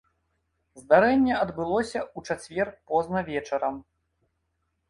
Здарэнне адбылося ў чацвер позна вечарам.